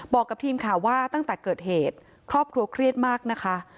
บอกกับทีมข่าวว่าตั้งแต่เกิดเหตุครอบครัวเครียดมากนะคะ